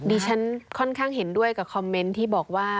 ดิฉันค่อนข้างเห็นด้วยกับคอมเมนต์ที่บอกว่า